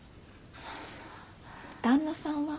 旦那さんは？